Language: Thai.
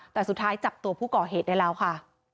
แต่สุดท้ายจับตัวผู้ก่อเหตุได้แล้วค่ะ